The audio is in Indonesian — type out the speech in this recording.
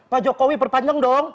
pak jokowi perpanjang dong